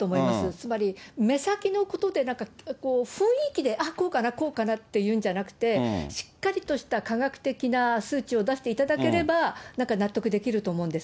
つまり目先のことで雰囲気で、あっ、こうかな、こうかなっていうんじゃなくて、しっかりとした科学的な数値を出していただければ、なんか納得できると思うんです。